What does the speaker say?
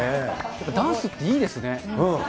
ダンスっていいですね。